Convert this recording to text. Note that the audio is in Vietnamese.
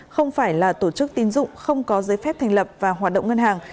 không phải là tổ chức tín dụng không có giấy phép thành lập và hoạt động ngân hàng